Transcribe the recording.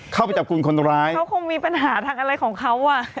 เข้าไปจับกลุ่มคนร้ายเขาคงมีปัญหาทางอะไรของเขาอ่ะ